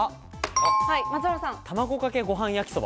卵かけご飯焼きそば。